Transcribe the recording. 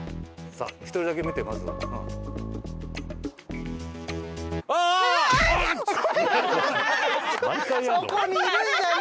さあ１人だけ見てまず。ごめんなさい。